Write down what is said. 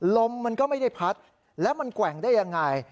ลมมันก็ไม่ได้พัดแล้วมันแกว่งได้ยังไง